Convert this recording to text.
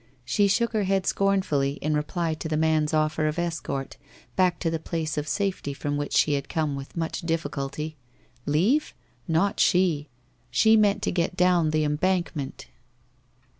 She shook her head scornfully in reply to the man's offer of escort back to the place of safety from which she had come with much difficulty. Leave? Not she! She meant to get down the embankment.